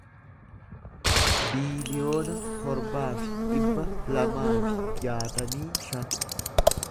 biiliyoona torbaa fi dhibba lamaa fi jaatamii shan